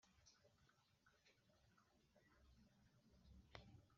oya, sinshobora kuza. ndananiwe.